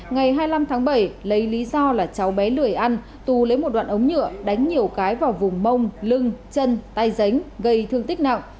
ngày hai mươi năm tháng bảy lấy lý do là cháu bé lười ăn tú lấy một đoạn ống nhựa đánh nhiều cái vào vùng mông lưng chân tay ránh gây thương tích nặng